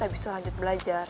abis itu lanjut belajar